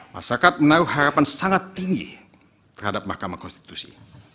masyarakat menaruh harapan sangat tinggi terhadap mahkamah konstitusi